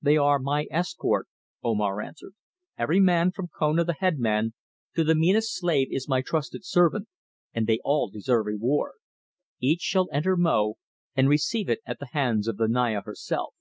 "They are my escort," Omar answered. "Every man, from Kona, the head man, to the meanest slave, is my trusted servant, and they all deserve reward. Each shall enter Mo and receive it at the hands of the Naya herself.